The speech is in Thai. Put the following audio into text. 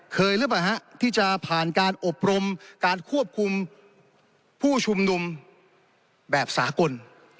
หรือเปล่าฮะที่จะผ่านการอบรมการควบคุมผู้ชุมนุมแบบสากล